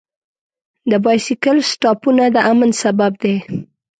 د بایسکل سټاپونه د امن سبب دی.